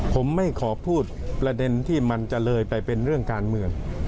ผมไม่ขอพูดประเด็นที่มันจะเลยไปเป็นเรื่องการเมือง